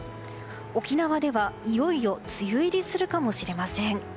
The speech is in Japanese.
沖縄では、いよいよ梅雨入りするかもしれません。